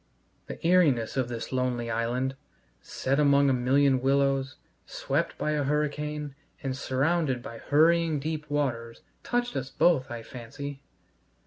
The eeriness of this lonely island, set among a million willows, swept by a hurricane, and surrounded by hurrying deep waters, touched us both, I fancy.